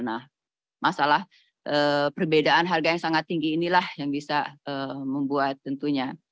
nah masalah perbedaan harga yang sangat tinggi inilah yang bisa membuat tentunya